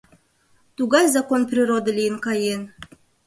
Тугай закон-природа лийын каен...